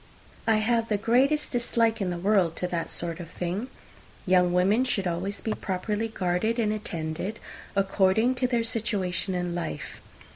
I have the greatest dislike in the world to that sort of thing. Young women should always be properly guarded and attended, according to their situation in life.